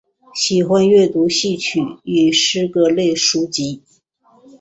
喜欢阅读戏曲与诗歌类书籍。